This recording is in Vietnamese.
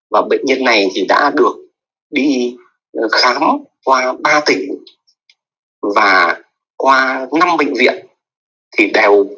và bệnh nhân này thì đã được đi khám qua ba tỉnh và qua năm bệnh viện